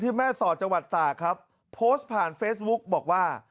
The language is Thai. แม่สอดจังหวัดตากครับโพสต์ผ่านเฟซบุ๊กบอกว่า